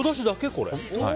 これ。